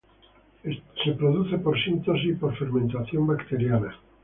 Es producido por síntesis y por fermentación bacteriana.